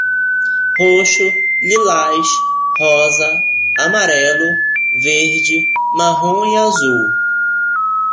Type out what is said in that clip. Roxo, lilás, rosa, amarelo, verde, marrom e azul